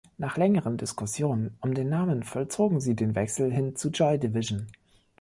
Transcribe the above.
Nach längeren Diskussionen um den Namen vollzogen sie den Wechsel hin zu Joy Division.